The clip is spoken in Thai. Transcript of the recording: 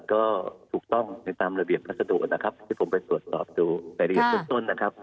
ก็ถูกต้องตามระเบียบแบบภาษาโดนนะครับ